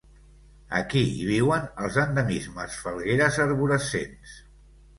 Aquí hi viuen els endemismes falgueres arborescents.